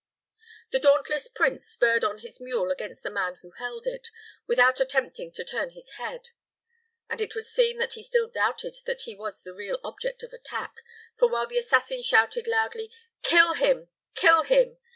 The dauntless prince spurred on his mule against the man who held it, without attempting to turn its head; and it would seem that he still doubted that he was the real object of attack, for while the assassin shouted loudly, "Kill him kill him!"